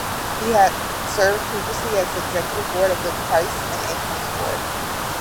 He had served previously as executive director of the Price and Incomes Board.